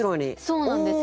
そうなんですよ。